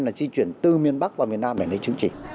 là di chuyển từ miền bắc vào miền nam để lấy chứng chỉ